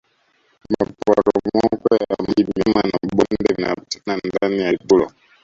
maporomoko ya maji milima na mabonde vianpatikana ndani ya kitulo